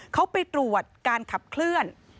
เขาไปตรวจการขับเคลื่อน